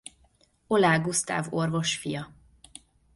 Oláh Gusztáv orvos fia.